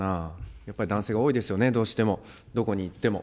やっぱり男性が多いですよね、どうしても、どこに行っても。